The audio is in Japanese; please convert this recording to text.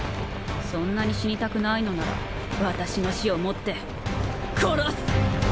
そんなに死にたくないのなら私の死をもって殺す！